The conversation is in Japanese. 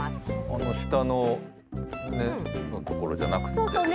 あの下の根のところじゃなくて？